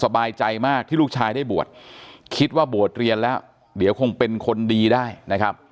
สบายใจมากที่ลูกชายได้บวชคิดว่าบวชเรียนแล้วเดี๋ยวคงเป็นคนดีได้นะครับ